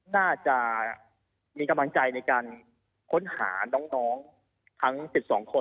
น่าจะมีกำลังใจในการค้นหาน้องทั้ง๑๒คน